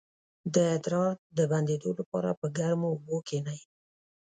د ادرار د بندیدو لپاره په ګرمو اوبو کینئ